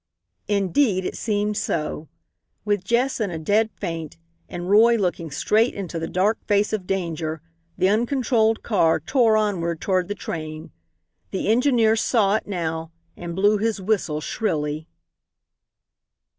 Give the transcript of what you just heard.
Indeed it seemed so. With Jess in a dead faint and Roy looking straight into the dark face of danger the uncontrolled car tore onward toward the train. The engineer saw it now and blew his whistle shrilly.